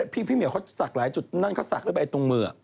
พี่เหมียวเขาสักหลายจุดนั่นเขาสักแล้วไปตรงมือ